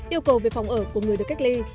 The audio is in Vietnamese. yêu cầu về phòng ở của người được cách ly